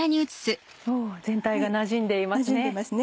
全体がなじんでいますね。